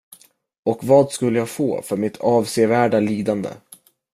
Och vad skulle jag få för mitt avsevärda lidande?